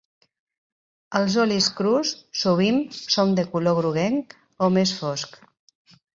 Els olis crus sovint són de color groguenc o més fosc.